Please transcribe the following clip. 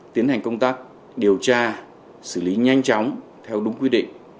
tiến hành công tác điều tra xử lý nhanh chóng theo đúng quy định